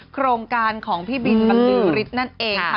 โครงการของพี่บินบรรลือฤทธิ์นั่นเองค่ะ